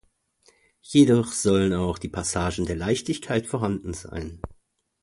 Jedoch sollen auch Passagen der Leichtigkeit vorhanden sein.